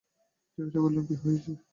জিজ্ঞাসা করিলেন, কী হইয়াছে?